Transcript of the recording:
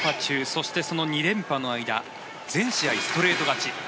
そして、その２連覇の間全試合ストレート勝ち。